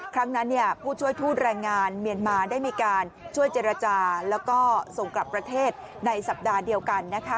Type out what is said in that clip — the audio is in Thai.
ครั้งนั้นผู้ช่วยทูตแรงงานเมียนมาได้มีการช่วยเจรจาแล้วก็ส่งกลับประเทศในสัปดาห์เดียวกันนะคะ